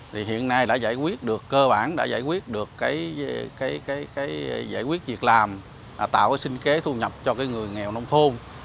thì hiện nay đã giải quyết được cơ bản đã giải quyết được cái giải quyết việc làm tạo cái sinh kế thu nhập cho cái người nghèo nông thôn